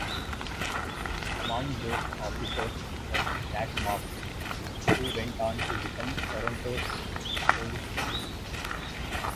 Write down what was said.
Among those officers was Jack Marks, who went on to become Toronto's Police Chief.